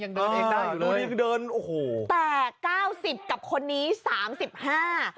เดินเองได้อยู่เลยนี่คือเดินโอ้โหแต่เก้าสิบกับคนนี้สามสิบห้า